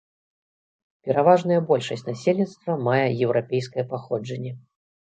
Пераважная большасць насельніцтва мае еўрапейскае паходжанне.